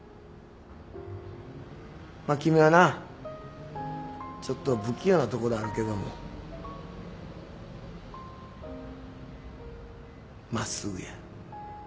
まっ君はなちょっと不器用なところあるけどもまっすぐや。